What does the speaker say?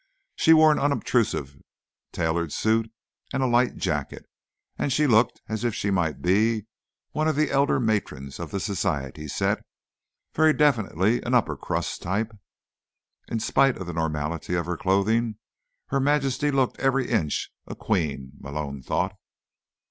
She wore an unobtrusive tailored suit and a light jacket, and she looked as if she might be one of the elder matrons of the society set, very definitely an upper crust type. In spite of the normality of her clothing, Her Majesty looked every inch a Queen, Malone thought.